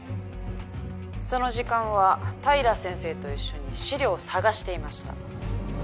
その時間は平先生と一緒に資料を探していました。